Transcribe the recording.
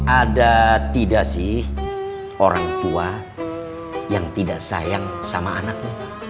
ada tidak sih orang tua yang tidak sayang sama anaknya